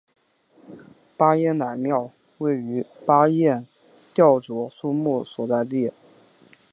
巴彦乃庙位于巴彦淖尔苏木所在地。